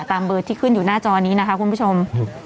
เบอร์ที่ขึ้นอยู่หน้าจอนี้นะคะคุณผู้ชม